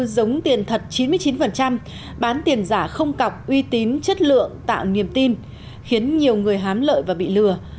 giống tiền thật chín mươi chín bán tiền giả không cọc uy tín chất lượng tạo niềm tin khiến nhiều người hám lợi và bị lừa